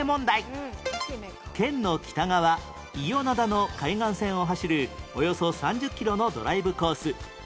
県の北側伊予灘の海岸線を走るおよそ３０キロのドライブコース